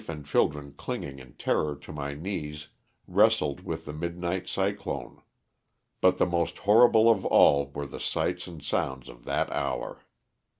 and children clinging in terror to my knees, wrestled with the midnight cyclone ; but the most horrible of all were the sights and sounds of that hour.